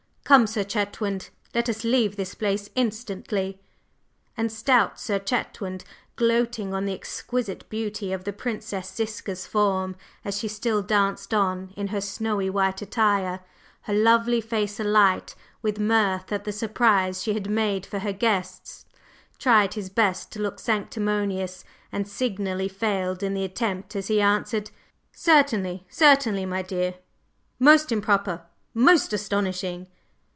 Come, Sir Chetwynd, let us leave this place instantly!" And stout Sir Chetwynd, gloating on the exquisite beauty of the Princess Ziska's form as she still danced on in her snowy white attire, her lovely face alight with mirth at the surprise she had made for her guests, tried his best to look sanctimonious and signally failed in the attempt as he answered: "Certainly! Certainly, my dear! Most improper … most astonishing!"